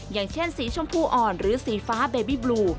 อย่างเช่นสีชมพูอ่อนหรือสีฟ้าเบบีบลู